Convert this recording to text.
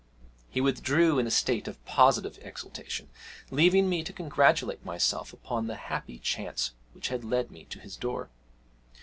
He withdrew in a state of positive exultation, leaving me to congratulate myself upon the happy chance which had led me to his door.